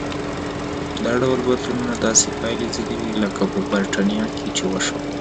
دا ډول بدلونونه داسې پایلې زېږوي لکه په برېټانیا کې چې وشول.